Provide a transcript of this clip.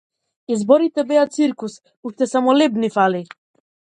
Изборите беа циркус, уште само леб ни фали.